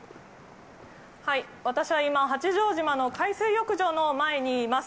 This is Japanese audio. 私は今、八丈島の海水浴場の前にいます。